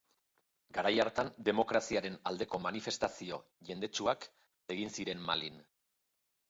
Garai hartan demokraziaren aldeko manifestazio jendetsuak egin ziren Malin.